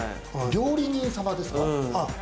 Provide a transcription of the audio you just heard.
料理人様ですか？